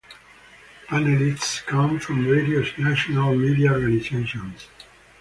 Panelists come from various national media organizations.